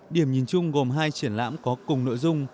điểm nhìn chung gồm hai triển lãm có cùng nội dung